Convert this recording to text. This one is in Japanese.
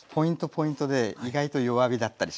ポイントで意外と弱火だったりします。